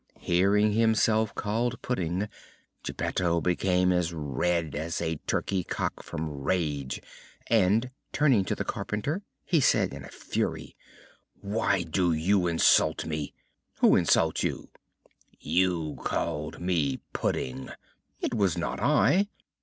Hearing himself called Pudding, Geppetto became as red as a turkey cock from rage and, turning to the carpenter, he said in a fury: "Why do you insult me?" "Who insults you?" "You called me Pudding!" "It was not I!"